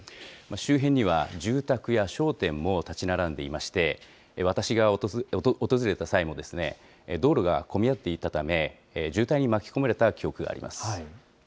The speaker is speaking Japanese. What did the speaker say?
周辺には住宅や商店も建ち並んでいまして、私が訪れた際も、道路が混み合っていたため、渋滞に巻き込まれた記憶があります。